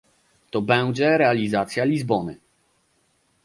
To będzie realizacja Lizbony